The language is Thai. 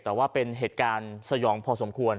แต่ว่าเป็นเหตุการณ์สยองพอสมควร